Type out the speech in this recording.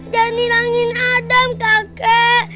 jangan hilangin adam kakek